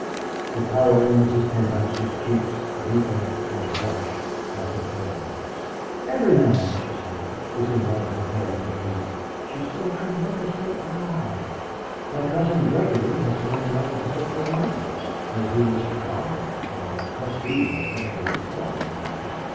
The colour in Mrs. Pendyce's cheeks deepened to a blush like a girl's. "Every man," she said, "is in love with Helen Bellew. She's so tremendously alive. My cousin Gregory has been in love with her for years, though he is her guardian or trustee, or whatever they call them now.